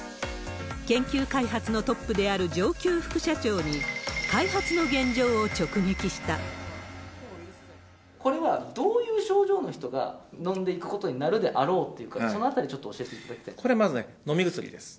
研究開発のトップである上級副社長に、これは、どういう症状の人が飲んでいくことになるであろうか、そのあたりこれ、まずね、飲み薬です。